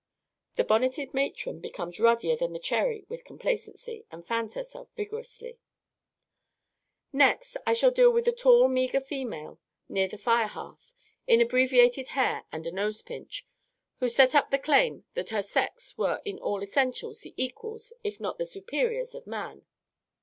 (The bonneted matron becomes ruddier than the cherry with complacency, and fans herself vigorously.) "Next I shall deal with the tall, meagre female near the fire hearth, in abbreviated hair and a nose pinch, who set up the claim that her sex were in all essentials the equals, if not the superiors, of man.